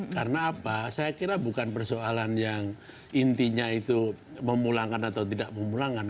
karena apa saya kira bukan persoalan yang intinya itu memulangkan atau tidak memulangkan